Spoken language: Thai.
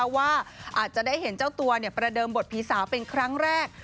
ว่าอาจจะได้เห็นเจ้าตัวประเดิมบทผีสาวเป็นครั้งแรก